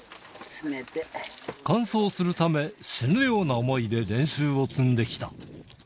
完走するため、死ぬような思いで練習を積んできた。